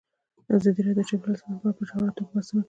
ازادي راډیو د چاپیریال ساتنه په اړه په ژوره توګه بحثونه کړي.